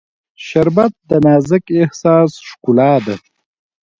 شربت د نازک احساس ښکلا ده